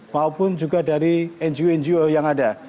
maupun juga dari ngo ngo yang ada